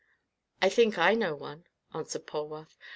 "I think I know one," answered Polwarth.